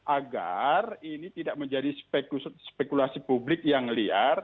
agar ini tidak menjadi spekulasi publik yang liar